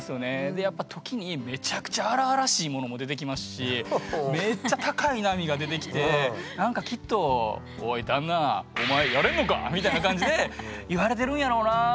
でやっぱ時にめっちゃくちゃ荒々しいものも出てきますしめっちゃ高い波が出てきてなんかきっとみたいな感じで言われてるんやろなぁ。